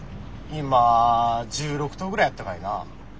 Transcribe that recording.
今１６頭ぐらいやったかいな。